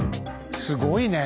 すごいね。